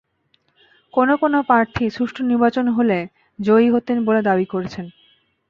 কোনো কোনো প্রার্থী সুষ্ঠু নির্বাচন হলে জয়ী হতেন বলে দাবি করেছেন।